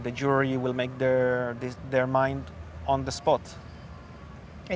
dan juri akan membuat pikiran mereka terhadap tempat